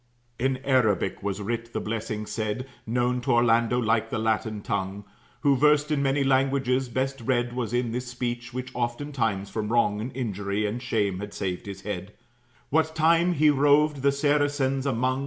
'" In Arabic was writ the blessing said, Known to Orlando like the Latin tongue, Who, versed in many languages, best read Was in this speech; which oftentimes from wrong And injury and shame had saved his head, What time he roved the Saracens among.